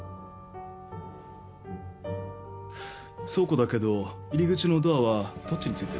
倉庫だけど入り口のドアはどっちについてる？